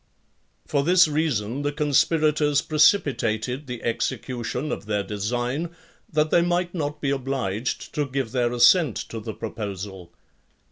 For this reason the conspirators precipitated the execution of their design , that they might not be obliged to give their assent to the proposal.